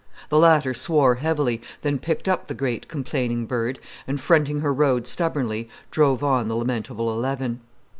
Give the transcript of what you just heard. The latter swore heavily, then picked up the great complaining bird, and fronting her road stubbornly, drove on the lamentable eleven.